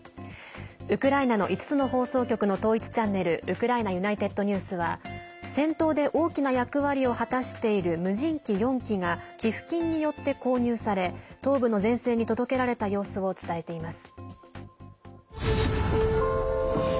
ウクライナの５つの放送局の統一チャンネルウクライナＵｎｉｔｅｄＮｅｗｓは戦闘で大きな役割を果たしている無人機４機が寄付金によって購入され東部の前線に届けられた様子を伝えています。